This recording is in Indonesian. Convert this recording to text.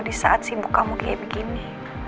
di saat sibuk kamu kayak begini